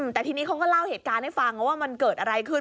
แต่ทีนี้เขาก็เล่าเหตุการณ์ให้ฟังว่ามันเกิดอะไรขึ้น